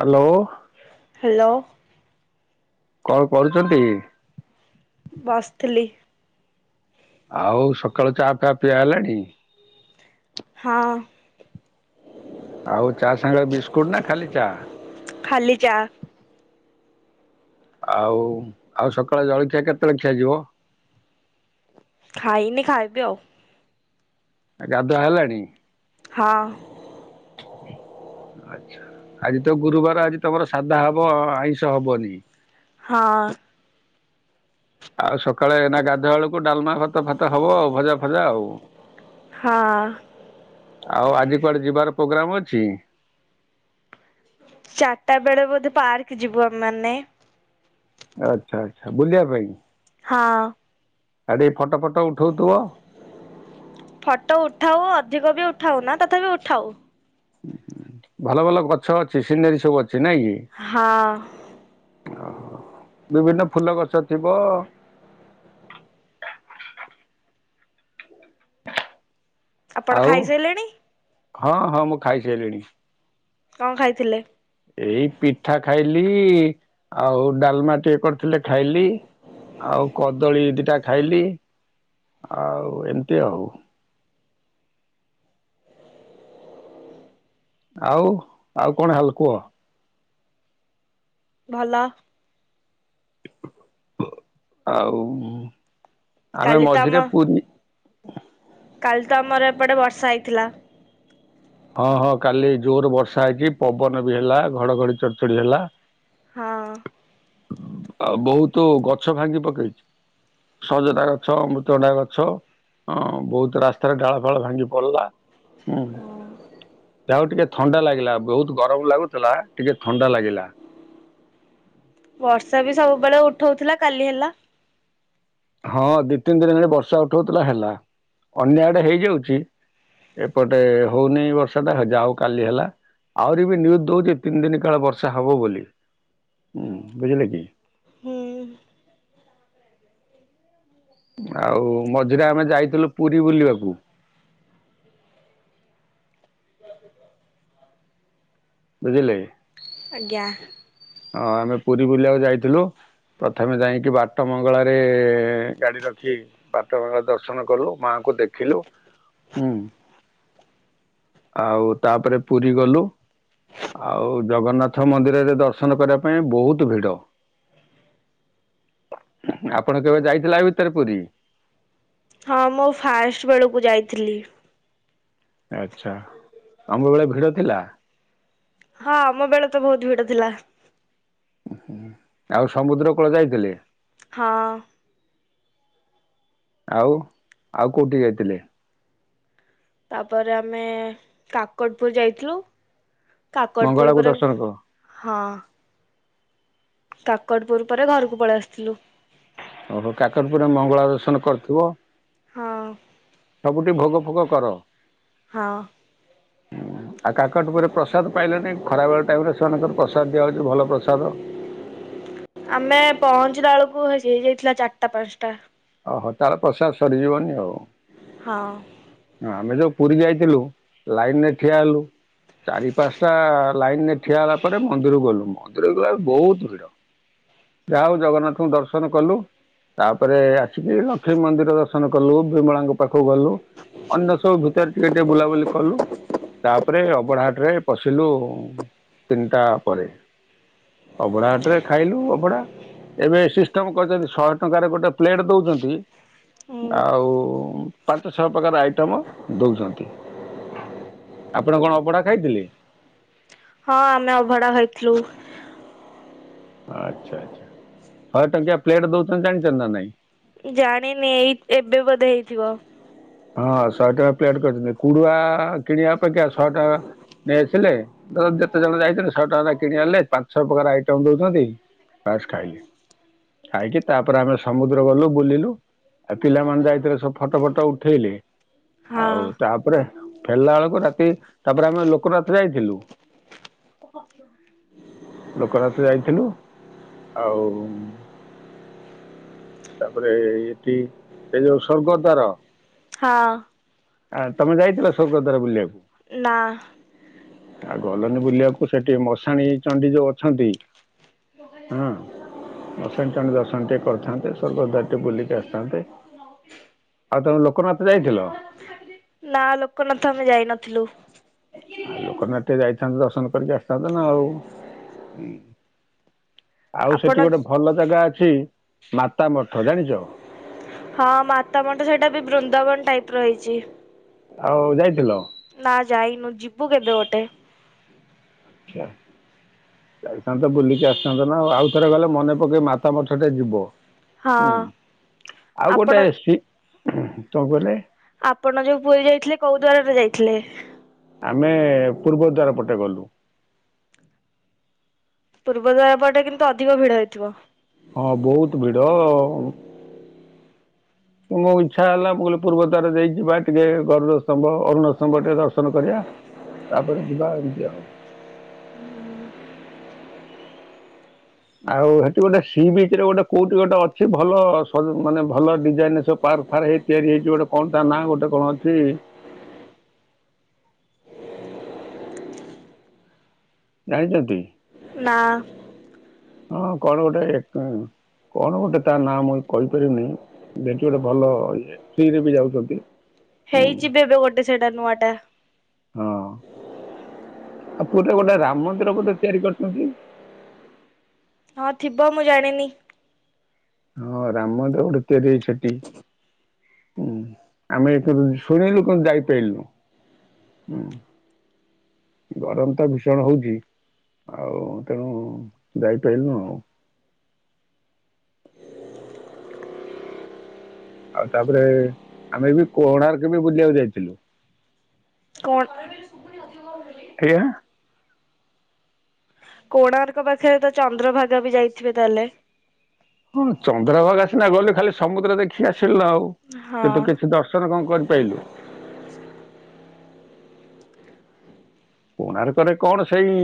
Hello. Hello. କଣ କରୁଚନ୍ତି? ବସଥିଲି। ଆଉ ସକାଳ ଚା ଫାଆ ପିଇଆ ହେଲାଣି? ହଁ। ଆଉ ଚା ସାଙ୍ଗରେ ବିସ୍କୁଟ ନା ଖାଲି ଚା? ଖାଲି ଚା। ଆଉ ଆଉ ସକାଳେ ଜଳଖିଆ କେତେଳେଖିଆ ଯିବ? ଖାଇନି ଖାଇବି ଆଉ। ଗାଧୁଆ ହେଲାଣି? ହଁ। ଆଚ୍ଛା--ଆଜି ତ ଗୁରୁବାର ଆଜି ତମର ସାଧା ହବ ଆଇଁଷ ହବନି। ହଁ। ଆଉ ସକାଳେ ନା ଗାଧୁଆବେଳକୁ ଡାଲମା, ଭାତ ଫାତ ହବ ଆଉ। ଭଜା ଫଜା ଆଉ। ହଁ। ଆଉ ଆଜି କୁଆଡେ ଯିବାର ପ୍ରୋଗ୍ରମ୍ ଅଛି। ଚାରଟା ବେଳେ ବୋଧେ ପାର୍କ ଯିବୁ ଆମେ ମାନେ। ଆଚ୍ଛା ଆଚ୍ଛା ବୁଲଆ ପାଇଁ? ହଁ। ଆଡେ ଫଟ ଫଟ ଉଠୋଉଥିବ। ଫଟ ଉଠାଉ ଅଧିକ ବି ଉଠାଉ ନା ତଥାପି ଉଠାଉ। ଉଁ ହୁଁ ଭଲ ଭଲ ଗଛ ଅଛି। ସିନେରୀ ସବୁ ଅଛି ନାଇଁ କି? ହଁ। ଅହ--ବିଭିନ୍ନ ଫୁଲ ଗଛ ଥିବ। ଆପଣ ଆଉ ଖାଇସାରିଲେଣି ହଁ ହଁ ମୁଁ ଖାଇସାରିଲଣି। କଣ ଖାଇଥିଲେ? ଏଇ ପିଠା ଖାଇଲି ଆଉ ଡାଲମା ଟିଏ କରିଥିଲେ ଖାଇଲି। ଆଉ କଦଳୀ ଦିଟା ଖାଇଲି। ଆଉ ଏମିତି ଆଉ। ଆଉ ଆଉ କଣ ହାଲ କୁହ? ଭଲ। ଆଉ ଉଁ ଆମେ କାଲି ମଝିରେ ପୁରୀ କାଲ ତ ଆମର ଏପଟେ ବର୍ଷା ହେଇଥିଲା। ହଁ ହଁ କାଲି ଜୋର ବର୍ଷା ହେଇକି ପବନ ବି ହେଲା ଘଡଘଡି ଚଢଚଢଡି ହେଲା। ହଁ। ଆଉ ବହୁତ ଗଛ ଭାଙ୍ଗି ପକେଇଚି। ସଜତା ଗଛ, ଅମୃତଭଣ୍ଡା ଗଛ। ହଁ ବହୁତ ରାସ୍ତାରେ ଡାଳ ଫାଳ ଭାଙ୍ଗି ପଡିଲା। ହୁଁ। ଯାହା ହୋଉ ଟିକେ ଥଣ୍ଡା ଲାଗିଲା। ବହୁତ ଗରମ ଲାଗୁଥିଲା ଟିକେ ଥଣ୍ଡା ଲାଗିଲା। ବର୍ଷା ବି ସବୁବେଳେ ଉଠୋଉଥିଲା କାଲି ହେଲା। ହଁ ଦି ତିନି ଦିନି ହେଲାଣି ବର୍ଷା ଉଠୋଉଥିଲା ହେଲା। ଅନ୍ୟ ଆଡେ ହେଇଯାଉଛି। ଏପଟେ ହୋଉନେଇଁ ବର୍ଷାଟା ଯାଉ କାଲି ହେଲା। ଆହୁରି ବି ନିୁଜ ଦଉଛି ତିନି ଦିନ କାଳ ବର୍ଷା ହବ ବୋଲି ବୁଝିଲେ କି। ହୁଁ ଆଉ ମଝିରେ ଆମେ ଯାଇଥିଲୁ ପୁରୀ ବୁଲିବାକୁ। ବୁଝିଲେ। ଆଜ୍ଞା। ଅ ଆମେ ପୁରୀ ବୁଲିବାକୁ ଯାଇଥିଲୁ ପ୍ରଥମେ ଯାଇଁକି ବାଟ ମଙ୍ଗଳାରେ ଗାଡି ରଖି ବାଟ ବଙ୍ଗଳା ଦର୍ଶନ କଲୁ ମାଙ୍କୁ ଦେଖିଲୁ ହୁଁ। ଆଉ ତାପରେ ପୁରୀ ଗଲୁ। ଆଉ ଜଗନ୍ନାଥ ମନ୍ଦିରରେ ଦର୍ଶନ କରିବା ପାଇଁ ବୋହୁତ ଭିଡ। ଆପଣ କେବେ ଯାଇଥିଲେ ଆ ଭିତରେ ପୁରୀ। ହଁ ମୁଁ ଫାଷ୍ଟ ବେଳକୁ ଯାଇଥିଲି। ଆଛା ତମ ବେଳେ ଭିଡ ଥିଲା। ହଁ ଆମ ବେଳେ ତ ବୋହୁତ ଭିଡ ଥିଲା। ଆଉ ସମୁଦ୍ର କୂଳ ଯାଇଥିଲେ। ହଁ। ଆଉ ଆଉ କୋଉଠି ଯାଇଥିଲେ। ତାପରେ ଆମେ କାକଟପୁର ଯାଇଥିଲୁ କାକଟପୁର ମଙ୍ଗଳାକୁ ପରେ ଦର୍ଶନ କ ହଁ। କାକଡ଼ପୁର ପରେ ଘରକୁ ପଳେଇ ଆସିଥିଲୁ। ଓହୋ କାକଟପୁରରେ ମଙ୍ଗଳା ଦର୍ଶନ କରିଥିବ। ହଁ। ସବୁଠି ଭୋଗ ଫୋଗ କର। ହଁ। [inaudible] ଆଉ କାକଟପୁର୍ ରେ ପ୍ରସାଦ ପାଇଲ ନାଇ ଖରା ବେଳ ଟାଇମ ରେ ସେମାନଙ୍କର ପ୍ରସାଦ ଦିଆ ହଉଛି ଭଲ ପ୍ରସାଦ। ଆମେ ପହଞ୍ଚିଲା ଏଳାକୁ ହେ ହେଇଯାଇଥିଲା ଚାରିଟା ପାଞ୍ଚଟା। ଓହୋ ତାର ପ୍ରସାଦ ସରିଯିବନି ଆଉ। ହଁ। ଆମେ ଯୋଉ ପୁରୀ ଯାଇଥିଲୁ ଲାଇନ ରେ ଠିଆ ହେଲୁ ଚାରି ପାଞ୍ଚଟା ଲାଇନରେ ଠିଆ ହେଲା ପରେ ମନ୍ଦିର ଗଲୁ ମନ୍ଦିର ଗଲାଳେ ବୋହୁତ ଭିଡ। ଯାହା ହୋଉ ଜଗନ୍ନାଥଙ୍କୁ ଦର୍ଶନ କଲୁ ତାପରେ ଆସିକି ଲକ୍ଷ୍ମୀ ମନ୍ଦିର ଦର୍ଶନ କଲୁ ବିମଳାଙ୍କ ପାଖକୁ ଗଲୁ ଅନ୍ୟ ସବୁ ଭିତରେ ଟିକେ ଟିକେ ବୁଲାବୁଲି କଲୁ ତାପରେ ଅବଡାହାଟରେ ପଶିଲୁ ତିନିଟା ପରେ। ଅଭଡା ହାଟ ରେ ଖାଇଲୁ ଅଭଡା। ଏବେ ସିଷ୍ଟମ୍ କରଚନ୍ତି ଶହେ ଟଙ୍କାରେ ଗୋଟେ ପ୍ଲେଟ୍ ଦୋଉଛନ୍ତି ଉଁ ଆଉ ପାଞ୍ଚ ଛଅ ପ୍ରକାର ଆଇଟମ ଦୋଉଚନ୍ତି ଆପଣ କଣ ଅବଢା ଖାଇଥିଲେ। ହଁ ଆମେ ଅଭଢା ଖାଇଥିଲୁ। ଆଚ୍ଛା ଆଚ୍ଛା ସହେ ଟଙ୍କିଆ ପ୍ଲେଟ ଦୋଉଚନ୍ତି ଜାଣିଚନ୍ତି ନା ନାଇଁ। ଜାଣିନି ଏଇ ଏବେ ବୋଧେ ହେଇଥିବ। ହଁ ଶହେ ଟଙ୍କା ପ୍ଲେଟ କରିଚନ୍ତି କୁଡୁଆ କିଣିବା ଅପେକ୍ଷା ଶହେ ଟଙ୍କା ନେଇ ଆସିଲେ ଯେତେ ଜଣ ଯାଇଛନ୍ତି ଶହେ ଟଙ୍କା କିଣି ଆଣିଲେ ପାଞ୍ଚ ଛହ ପ୍ରକାର ଆଇଟମ ଦୋଉଚନ୍ତି। ପାସ୍ ଖାଇଲେ। ଖାଇକି ତାପରେ ଆମେ ସମୁଦ୍ର ଗଲୁ ବୁଲିଲୁ ଆଉ ପିଲାମାନେ ଯାଇଥିଲେ ସବୁ ଫଟ ଫଟ ଉଠ ଉଠେଇଲି ହଁ ଆଉ ତାପରେ ଫେରିଲା ବେଳକୁ ରାତି ତାପରେ ଆମେ ଲୋକନାଥ ଯାଇଥିଲୁ। ଲୋକନାଥ ଯାଇଥିଲୁ ଆଉ ତାପରେ ଏଇଠି ସେଇ ଯୋଉ ସ୍ୱର୍ଗ ଦ୍ୱାର ହଁ। ଆ ତମେ ଯାଇଥିଲ ସ୍ୱର୍ଗ ଦ୍ୱାରା ବୁଲିବାକୁ? ନା ଆଉ ଗଲନି ବୁଲିବାକୁ ସେଠି ମଶାଣି ଚଣ୍ଡି ଯୋଉ ଅଛନ୍ତି। ହଁ ମାସାଣି ଚଣ୍ଡି ଦର୍ଶନ ଟିକେ କରିଥାନ୍ତେ ସ୍ୱର୍ଗ ଦ୍ୱାର ଟେକେ ବୁଲିକି ଆସିଥାନ୍ତେ? ଆଉ ତମେ ଲୋକନାଥ ଯାଇଥିଲ? ନା ଲୋକ ନାଥ ଆମେ ଯାଇ ନଥିଲୁ। ଆ ଲୋକନାଥ ଯାଇଥାନ୍ତ ଦର୍ଶନ କରିକି ଆସିଥାନ୍ତ ନା ଆଉଁ। ଆଉ ସେଠି ଆପଣ ଗୋଟେ ଭଲ ଜାଗା ଅଛି ମାତା ମଠ ଜାଣିଚ? ହଁ ମାତାମଟ ସେଇଟା ବି ବୃନ୍ଦାବନ ଟାଇପି ର ହେଇଚି। ଆଉ ଯାଇଥିଲ? ନା ଯାଇନୁ, ଯିବୁ କେବେ ଗୋଟେ। [unintelligible] ଯାଇଥାନ୍ତ, ବୁଲିକି ଆସିଥାନ୍ତ ନା, ଆଉଥରେ ଗଲେ ମନେ ପକେଇ ମାତା ମଠ ଟେ ଯିବ। ହଁ ହୁଁ, ଆଉ ଗୋଟେ ଆପଣ ସି କଣ କହିଲେ? ଆପଣ ଯୋଉ ପୁରୀ ଯାଇଥିଲେ କୋଉ ଦ୍ଵାରରେ ଯାଇଥିଲେ? ଆମେ ପୂର୍ବଦ୍ୱାର ପଟେ ଗଲୁ। ପୂର୍ବଦ୍ୱାର ପଟେ କିନ୍ତୁ ଅଧିକ ଭିଡ ହେଇଥିବ। ହଁ ବହୁତୁ ଭିଡ। ମୋ ଇଛା ହେଲା ମୁଁ କହିଲି ପୂର୍ବ ଦ୍ୱାର ଦେଇକି ଯିବା, ଟିକେ ଗରୁର ସ୍ତମ୍ଭ ଅରୁଣ ସ୍ତମ୍ଭ ଟିକେ ଦର୍ଶନ କରିବା। ତାପରେ ଯିବା ଏମିତି ଆଉ। ଆଉ ହେଠି ଗୋଟେ ସି ବିଚି ରେ ଗୋଟେ କୋଉଠି ଗୋଟେ ଅଛି ଭଲ ମାନେ ଭଲ ଡିଜାଇନି ସବୁ ପାର୍ ଫାର୍ ହେଇ ତିଆରି ହେଇଚି ଗୋଟେ କଣ ତା ନାଁ, ଗୋଟେ କଣ ଅଛି? ଜାଣିଚନ୍ତି? ନା ହଁ କଣ ଗୋଟେ, କଣ ଗୋଟେ ତା ନାଁ, ମୁଇଁ କହିପାରିବିନି। ଦେଖିବି ଗୋଟେ ଭଲ ଇଏ ଫି ରେ ବି ଯାଉଚନ୍ତି। ହେଇଚିବି ଏବେ ଗୋଟେ ସେଇଟା ନୂଆ ଟା। ହଁ ଆଉ ପୁରୀ ରେ ଗୋଟେ ରାମ ମନ୍ଦିର ବୋଧେ ତିଆରି କରିଚନ୍ତି? ହଁ ଥିବ ମୁଁ ଜାଣିନି। ହଁ ରାମମନ୍ଦିର ଗୋଟେ ତିଆରି ହେଇଚି ସେଠି। ହୁଁ, ଆମେ କିନ୍ତୁ ଶୁଣିଲୁ କିନ୍ତୁ ଯାଇପାରିଲୁନି। ହୁଁ ଗରମ ତ ଭୀଷଣ ହଉଚି। ଆଉ ତେଣୁ ଯାଇପାରିଲୁନୁ ଆଉ। ଆଉ ତାପରେ ଆମେ ବି କୋଣାର୍କ ବି ବୁଲିବାକୁ ଯାଇଥିଲୁ। କଣ? ଏଇଆ। [unintelligible] କୋଣାର୍କ ପାଖରେ ତ ଚନ୍ଦ୍ରଭାଗା ବି ଯାଇଥିବେ ତାହେଲେ? ହଁ ଚନ୍ଦ୍ରଭାଗା ସିିନା ଗଲେ ଖାଲି ସମୁଦ୍ର ଦେଖିକି ଆସିଲୁ ଆଉ, ହଁ କିନ୍ତୁ କିଛି ଦର୍ ର୍ଦସଣ କଣ କରିପାରିଲୁ? କୋଣାର୍କରେ କଣ ସେଇ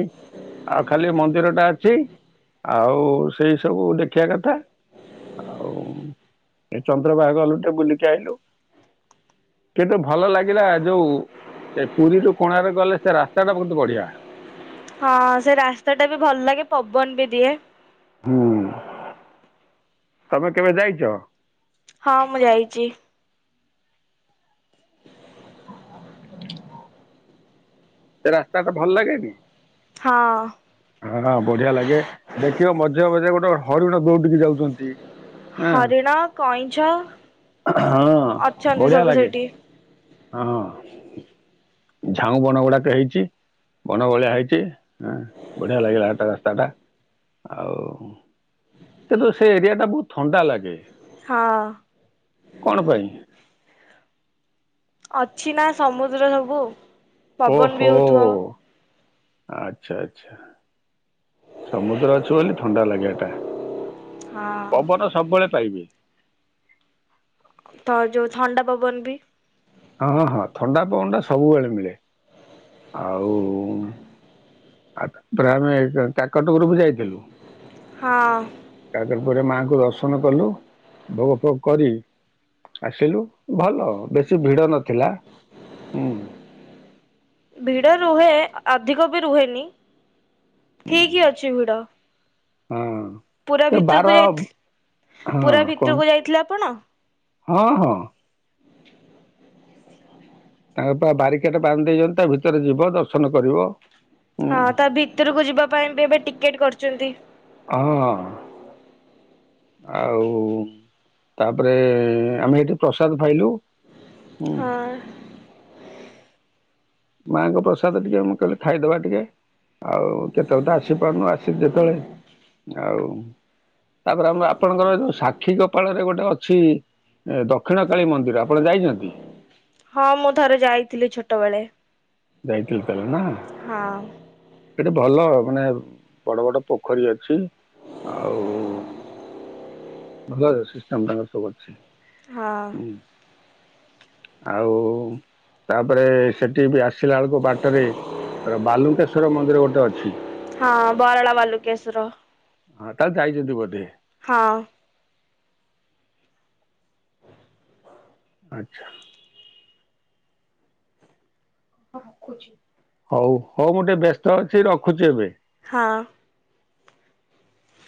ଆଉ ଖାଲି ମନ୍ଦିରଟା ଅଛି। ଆଉ ସେଇ ସବୁ ଦେଖିବା କଥା ଆଉ। ଏ ଚନ୍ଦ୍ର ବାଘ ଗଲୁ ଟେ ବୁଲିକି ଆଇଲୁ। କିନ୍ତୁ ଭଲ ଲାଗିଲା ଯୋଉ ସେ ପୁରୀରୁୁ କୋଣାର୍କ ଗଲେ ସେ ରାସ୍ ସେଟା ବହୁତ ବଢିଆ। ହଁ ସେ ରାସ୍ତା ଟା ବି ଭଲ ଲାଗେ ପବନ ବି ଦିଏ। ହୁଁ ତମେ କେବେ ଯାଇଚ? ହଁ ମୁଁ ଯାଇଚି। ସେ ରାସ୍ତା ଟା ଭଲ ଲାଗେନି? ହଁ। ହଁ ବଢିଆ ଲାଗେ ଦେଖିବ ମଝିରେ ମଝିରେ ଗୋଟେ ହରିଣ ଦୌଡ଼ିକି ଯାଉଛନ୍ତି। ହଁ ହରିଣ, କଇଁଛ, ହଁ ଅଛନ୍ତି ବଢିଆ ସବୁ ଲାଗେ ସେଠି। ହଁ। ଝାଉଁ ବଣ ଗୁଡାକ ହେଇଚି ବଣ ଭଳିଆ ହେଇଚି ହଁ। ବଢିଆ ଲାଗିଲା ଏଟା ରାସ୍ତାଟା ଆଉ। କିନ୍ତୁ ସେ ଏରିଆ ଟା ବହୁତ ଥଣ୍ଡା ଲାଗେ। ହଁ କଣ ପାଇଁ? ଅଛି ନା ସମୁଦ୍ର ସବୁ। ପବନ ବି ଓହୋ ହଉଥିବ ଆଛା ଆଛା। ସମୁଦ୍ର ଅଛି ବୋଲି ଥଣ୍ଡା ଲାଗେ ଏଟା ହଁ ପବନ ସବୁବେଳେ ପାଇବେ। ତ ଯଉ ଥଣ୍ଡା ପବନ ବି। ହଁ ହଁ ଥଣ୍ଡା ପବନ ଟା ସବୁବେଳେ ମିଳେ। ଆଉ। ଆଉ ତାପରେ ଆମେ ଏ କାକଟପୁର ଯାଇଥିଲୁ। ହଁ। କାକଟପୁରେ ମାଆଙ୍କୁ ଦର୍ଶନ କଲୁ ଭୋଗ ଫୋଗ କରି। ଆସିଲୁ ଭଲ ବେଶୀ ଭିଡ ନଥିଲା। ହୁଁ। ଭିଡ ରୁହେ ଅଧିକ ବି ରୁହେନି। ଠିକ ଅଛି ଭିଡ। ହଁ ପୁରା ଏ ବାର ଭିତରକୁ ଯାଇ ଥି ହଁ ପୁରା କଣ ଭିତରକୁ ଯାଇଥିଲେ ଆପଣ? ହଁ ହଁ। ତାଙ୍କ ପା ବାରିକେଟ ବାନ୍ଧି ଦେଇଚନ୍ତି ତା ଭିତରେ ଯିବ ଦର୍ଶନ କରିବ। ହୁଁ ହଁ ତା ଭିତରକୁ ଯିବା ପାଇଁ ବି ଏବେ ଟିକେଟ କରୁଛନ୍ତି। ଅ ହ ଆଉ। ତାପରେ ଆମେ ଏଠି ପ୍ରସାଦ ପାଇଲୁ। ହଁ। ମାଆଙ୍କ ପ୍ରସାଦ ଟିକେ ମୁଁ କହିଲି ଖାଇଦବା ଟିକେ। ଆଉ କେତେବେଳେ ତ ଆସି ପାରୁନୁ ଆସି ଯେତେବେଳେ ଆଉ। ତାପରେ ଆମର ଆପଣଙ୍କର ଯୋଉ ସାକ୍ଷୀ ଗୋପାଳରେ ଗୋଟେ ଅଛି। ଏ ଦକ୍ଷିଣକାଳୀ ମନ୍ଦିର ଆପଣ ଯାଇଚନ୍ତି? ହଁ, ମୁଁ ଥରେ ଯାଇଥିଲି ଛୋଟବେଳେ। ଯାଇଥିଲ ତାହେଲେ ନା। ହଁ। ଏଟେ ଭଲ ମାନେ ବଡ ବଡ ପୋଖରୀ ଅଛି। ଆଉ ଭଲ ଅ ସିଷ୍ଟମ ତାଙ୍କ ସବୁ ଅଛି। ହଁ। ଆଉ ତାପରେ ସେଠି ବି ଆସି ଆସିଲା ବେଳକୁ ବାଟରେ ବାଲୁଙ୍କେଶ୍ବର ମନ୍ଦିର ଗୋଟେ ଅଛି। ହଁ, ବରାଳ ବାଲୁଙ୍କେଶ୍ବର। ହଁ, ତାହେଲେ ଯାଇଛନ୍ତି ବୋଧେ। ହଁ। ଆଚ୍ଛା। ହଉ ହଉ ମୁଁ ଟିକେ ବ୍ୟସ୍ତ ଅଛି ରଖୁଛି ଏବେ। ହଁ।